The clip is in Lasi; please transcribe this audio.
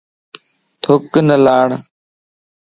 ٿُک نه لاڻ